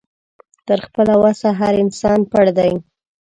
تر خپله وسه هر انسان پړ دی